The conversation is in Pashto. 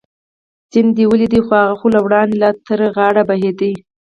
سیند دې ولید؟ هو، هغه خو له وړاندې لا تر غاړې بهېده.